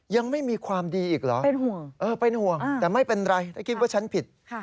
ยังไม่มีความดีอีกเหรอเป็นห่วงเป็นห่วงแต่ไม่เป็นไรถ้าคิดว่าฉันผิด